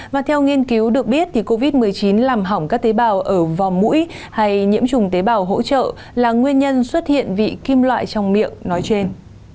và theo nghiên cứu được biết covid một mươi chín làm hỏng các tế bào ở vò mũi hay nhiễm trùng tế bào hỗ trợ là nguyên nhân xuất hiện vị kim loại trong miệng nói trên